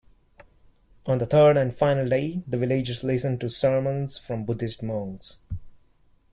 On the third and final day, the villagers listen to sermons from Buddhist monks.